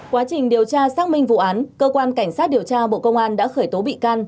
quá trình điều tra xác minh vụ án cơ quan cảnh sát điều tra bộ công an đã khởi tố bị can